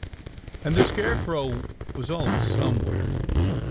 And the Scarecrow was always somewhere.